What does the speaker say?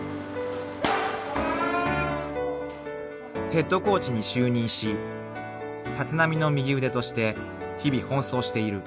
［ヘッドコーチに就任し立浪の右腕として日々奔走している］